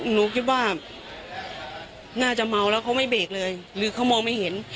หนูคิดว่าน่าจะเมาแล้วเขาไม่เบรกเลยหรือเขามองไม่เห็น